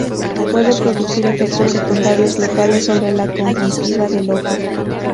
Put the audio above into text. Puede producir efectos secundarios locales sobre la conjuntiva del ojo.